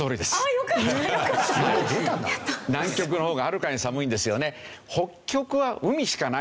南極の方がはるかに寒いんですよね。